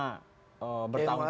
yang selama bertahun tahun